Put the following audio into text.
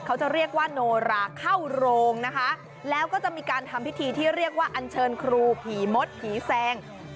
เขาจะเรียกว่าโนราเข้าโรงนะคะแล้วก็จะมีการทำพิธีที่เรียกว่าอันเชิญครูผีมดผีแซง